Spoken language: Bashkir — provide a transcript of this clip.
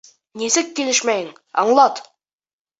— Нисек, килешмәйһең, аңлат?!.